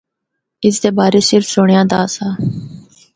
اس دے بارے صرف سنڑیا دا آسا۔